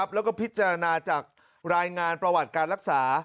แล้วก็พิจารณาจากรายงานประวัติการรักษา